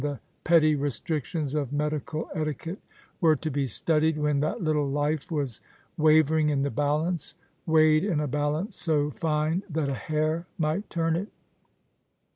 211 the petty restrictions of medical etiquette, were to he studied when that little life was wavering in the balance — weighed in a balance so fine that a hair might turn it.